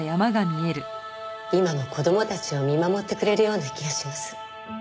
今も子供たちを見守ってくれるような気がします。